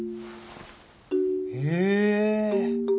へえ。